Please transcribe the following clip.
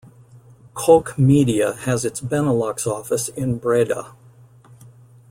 Koch Media has its Benelux office in Breda.